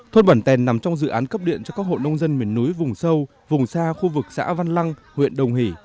thôn bản tèn nằm trong dự án cấp điện cho các hộ nông dân miền núi vùng sâu vùng xa khu vực xã văn lăng huyện đồng hỷ